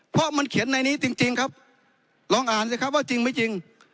เพราะมันเขียนในนี้จริงครับลองอ่านสิครับว่าจริงไม่จริง